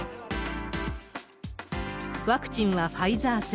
ワクチンはファイザー製。